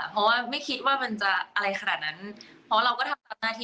เพราะว่าไม่คิดว่ามันจะอะไรขนาดนั้น